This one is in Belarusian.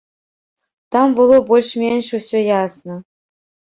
Там было больш-менш усё ясна.